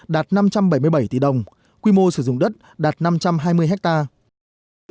đạt năm trăm bảy mươi bảy tỷ đồng quy mô sử dụng đất đạt năm trăm hai mươi hectare